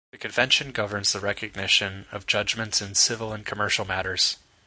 The convention governs the recognition of judgements in civil and commercial matters.